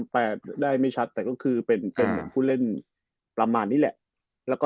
เปลี่ยนไม่ชัดแต่มีผบัติเทแรก